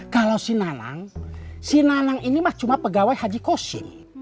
kalau si nanang si nanang ini cuma pegawai haji koshim